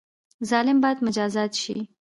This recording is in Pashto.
ظالم باید مجازات شي